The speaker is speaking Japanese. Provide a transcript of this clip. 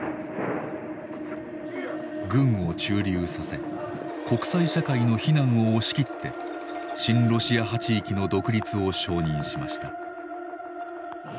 軍を駐留させ国際社会の非難を押し切って親ロシア派地域の独立を承認しました。